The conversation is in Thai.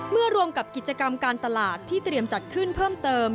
รวมกับกิจกรรมการตลาดที่เตรียมจัดขึ้นเพิ่มเติม